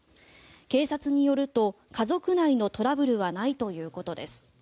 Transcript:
警察によると家族内のトラブルはないということです。